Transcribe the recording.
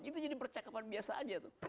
itu jadi percakapan biasa aja tuh